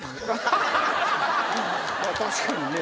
確かにね